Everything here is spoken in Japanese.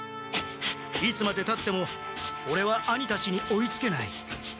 いつまでたってもオレは兄たちに追いつけない。